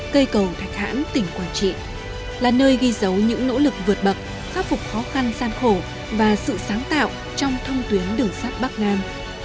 cây cầu thạch hãn tỉnh quảng trị là nơi ghi dấu những nỗ lực vượt bậc khắc phục khó khăn gian khổ và sự sáng tạo trong thông tuyến đường sắt bắc nam